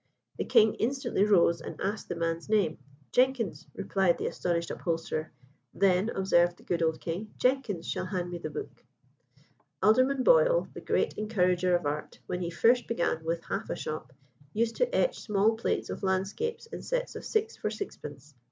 The king instantly rose and asked the man's name. "Jenkins," replied the astonished upholsterer. "Then," observed the good old king, "Jenkins shall hand me the book." Alderman Boydell, the great encourager of art, when he first began with half a shop, used to etch small plates of landscapes in sets of six for sixpence.